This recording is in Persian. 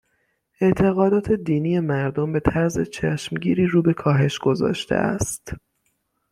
اعتقادات دینی مردم به طرز چشمگیری رو به کاهش گذاشته است